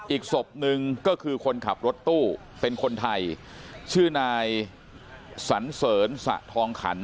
อีกศพหนึ่งก็คือคนขับรถตู้เป็นคนไทยชื่อนายสันเสริญสะทองขัน